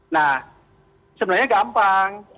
nah sebenarnya gampang